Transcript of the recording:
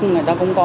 người ta cũng có